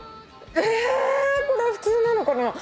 えこれ普通なのかな？